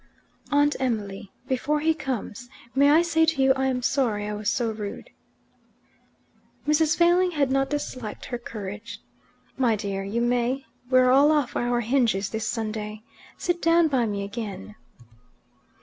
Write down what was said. "Aunt Emily, before he comes, may I say to you I'm sorry I was so rude?" Mrs. Failing had not disliked her courage. "My dear, you may. We're all off our hinges this Sunday. Sit down by me again."